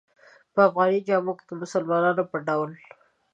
په افغاني جامو کې د مسلمانانو په ډول.